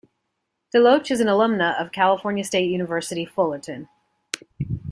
DeLoach is an alumna of California State University, Fullerton.